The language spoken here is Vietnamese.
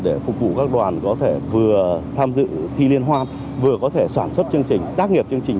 để phục vụ các đoàn có thể vừa tham dự thi liên hoan vừa có thể sản xuất chương trình tác nghiệp chương trình